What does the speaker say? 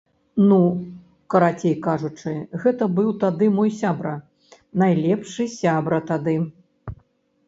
Ну, карацей кажучы, гэта быў тады мой сябра, найлепшы сябра тады.